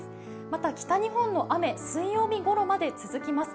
また、北日本の雨、水曜日ごろまで続きます。